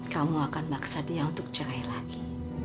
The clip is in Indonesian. kamu akan maksa dia untuk cerai lagi